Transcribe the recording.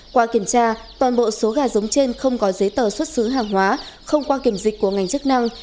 qua kiểm tra toàn bộ số gà giống trên không có giấy tờ xuất xứ hàng hóa không qua kiểm dịch của ngành chức năng